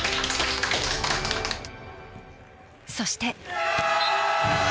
そして。